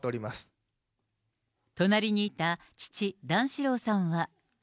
隣にいた父、段四郎さんは。